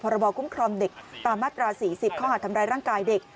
ระบอบคุ้มครองเด็กตามมาตรา๔๐ข้อหาดทำร้ายร่างกายเด็ก